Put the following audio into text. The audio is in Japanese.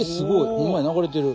ホンマや流れてる。